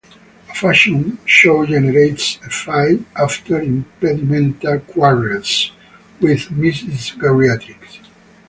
A fashion show generates a fight after Impedimenta quarrels with Mrs. Geriatrix.